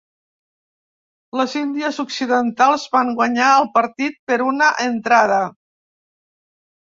Les Índies Occidentals van guanyar el partit per una entrada.